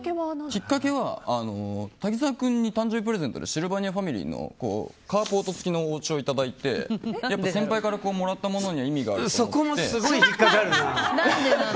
きっかけは滝沢君に誕生日プレゼントでシルバニアファミリーのカーポート付きのお家をいただいて先輩からもらったものにはそこもすごい引っかかる。